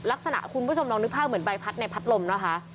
คุณผู้ชมลองนึกภาพเหมือนใบพัดในพัดลมนะคะ